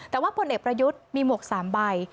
แต่ว่าผู้เหน็กประยุทธ์มีหมวกสามใบ